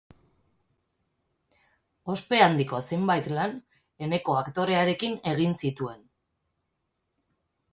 Ospe handiko zenbait lan Eneko aktorearekin egin zituen.